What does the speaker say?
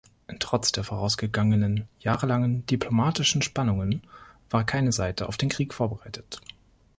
Trotz der vorausgegangenen jahrelangen diplomatischen Spannungen war keine Seite auf den Krieg vorbereitet.